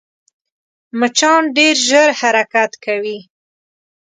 مچان ډېر ژر حرکت کوي